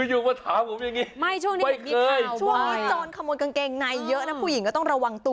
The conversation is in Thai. อยู่มาถามผมอย่างนี้ไม่ช่วงนี้ช่วงนี้โจรขโมยกางเกงในเยอะนะผู้หญิงก็ต้องระวังตัว